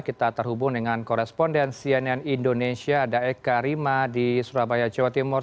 kita terhubung dengan koresponden cnn indonesia ada eka rima di surabaya jawa timur